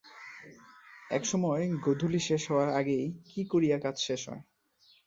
একসময় গোধূলি শেষ হওয়ার আগেই, কী করিয়া কাজ শেষ হয়।